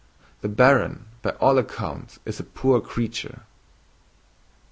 The baron by all accounts is a poor creature."